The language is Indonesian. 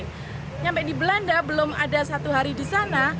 sampai di belanda belum ada satu hari di sana